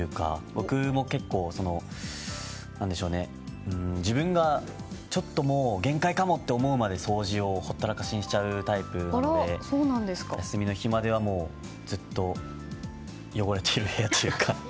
僕も結構自分がちょっと、もう限界かもって思うまで掃除をほったらかしにしちゃうタイプなので休みの日まではずっと汚れている部屋というか。